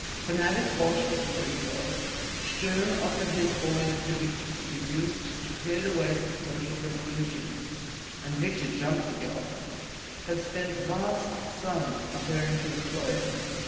Fanatic Bolshevist that he was, Sturm offered his formula to Victor, to be used to clear the way for social revolution; and Victor jumped at the offer—has spent vast sums preparing to employ it.